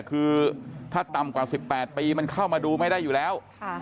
คือถ้าต่ำกว่า๑๘ปีมันเข้ามาดูไม่ได้อยู่แล้ว